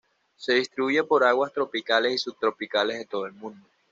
Se distribuye por aguas tropicales y subtropicales de todo el mundo.